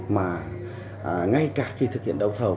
mà ngay cả khi thực hiện đấu thầu